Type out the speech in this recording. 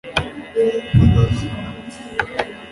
ni bazima